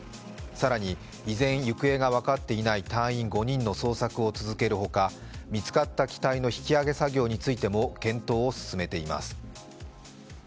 更に依然、行方が分かっていない隊員５人の捜索を続けるほか見つかった機体の引き揚げ作業についても検討を進めています。